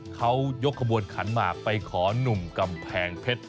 เขายกกระโบียนขันหมากไปขอนุมกำแผงเพชร